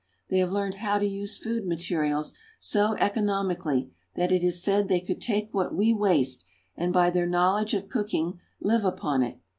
They have learned how to use food materials so economically that it is said they could take what we waste, and by their knowledge of cooking, live upon it.